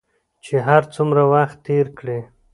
چې هر څومره وخت تېر کړې